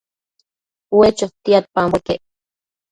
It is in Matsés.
ue chotiadpambo iquec